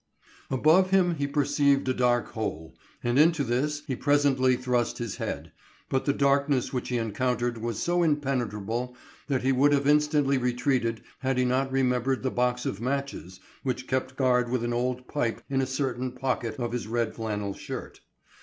Above him he perceived a dark hole, and into this he presently thrust his head, but the darkness which he encountered was so impenetrable that he would have instantly retreated had he not remembered the box of matches which kept guard with an old pipe in a certain pocket of his red flannel shirt.